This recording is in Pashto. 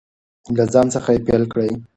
له ځان څخه یې پیل کړئ.